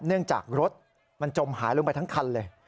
เนื่องจากรถมันจมหายลงไปทั้งคันเลย